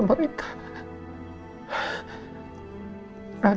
aku berlindung kepada mu ya allah